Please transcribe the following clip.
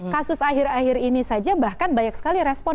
kasus akhir akhir ini saja bahkan banyak sekali respon